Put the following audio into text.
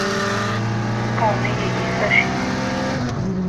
Qqaren-iyi Hisashi.